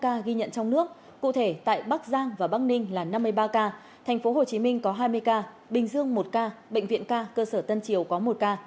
bảy mươi năm ca ghi nhận trong nước cụ thể tại bắc giang và bắc ninh là năm mươi ba ca thành phố hồ chí minh có hai mươi ca bình dương một ca bệnh viện ca cơ sở tân triều có một ca